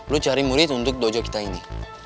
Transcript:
lu cari murid untuk dojo kita ini